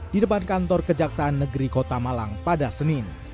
di depan kantor kejaksaan negeri kota malang pada senin